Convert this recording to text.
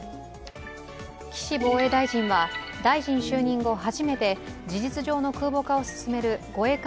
岸防衛大臣は大臣就任後、初めて事実上の空母化を進める護衛艦